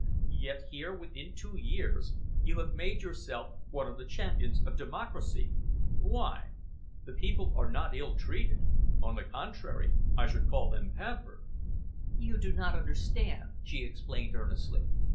Yet here, within two years, you have made yourself one of the champions of democracy. Why? The people are not ill treated. On the contrary, I should call them pampered." "You do not understand," she explained earnestly.